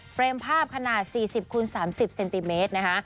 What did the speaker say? รมภาพขนาด๔๐คูณ๓๐เซนติเมตรนะคะ